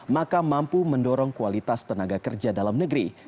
maka mampu mendorong kualitas tenaga kerja dalam negeri